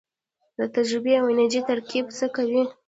د تجربې او انرژۍ ترکیب څه کوي؟